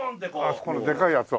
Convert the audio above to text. ああそこのでかいやつを。